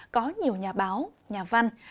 có nhiều nhà báo nhà văn